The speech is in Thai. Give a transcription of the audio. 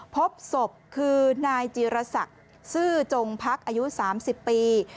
พบศพคือนายจีรศักดิ์ซื่อจงพักอายุ๓๐ปี